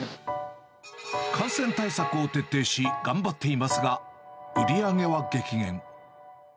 感染対策を徹底し、頑張っていますが、売り上げは激減。